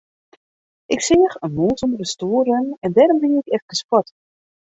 Ik seach in mûs ûnder de stoel rinnen en dêrom wie ik efkes fuort.